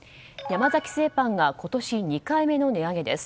山崎製パンが今年２回目の値上げです。